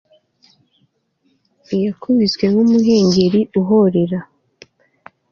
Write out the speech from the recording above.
yakubiswe nk'umuhengeri uhorera